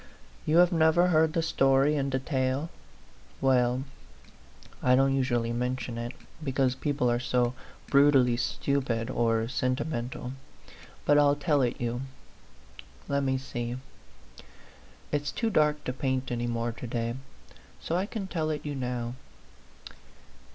You have never heard the story in detail? Well, I don't usually mention it, because peo ple are so brutally stupid or sentimental; but I'll tell it you. Let me see. It's too dark to paint any more to day, so I can tell it you now.